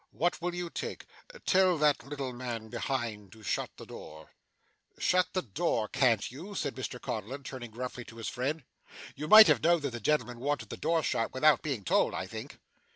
What will you take? Tell that little man behind, to shut the door.' 'Shut the door, can't you?' said Mr Codlin, turning gruffly to his friend. 'You might have knowed that the gentleman wanted the door shut, without being told, I think.